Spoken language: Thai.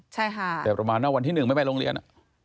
ใช่ค่ะแต่ประมาณว่าวันที่หนึ่งไม่ไปโรงเรียน